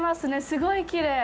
すごいきれい。